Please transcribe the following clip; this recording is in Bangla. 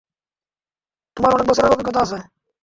তোমার অনেক বছরের অভিজ্ঞতা আছে।